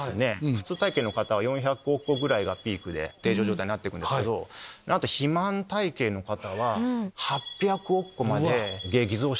普通体形の方は４００億個ぐらいがピークで定常状態になってくんですけど肥満体形の方は８００億個まで激増していきます。